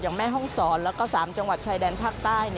อย่างแม่ห้องศรและสามจังหวัดชายดันภาคใต้